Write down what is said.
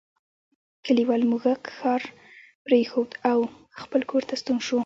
کلیوال موږک ښار پریښود او خپل کور ته ستون شو.